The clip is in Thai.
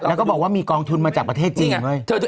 แล้วก็บอกว่ามีกองทุนมาจากประเทศจีน